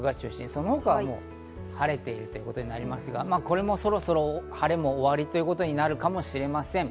その他は晴れているということになりますが、これもそろそろ晴れも終わりということになるかもしれません。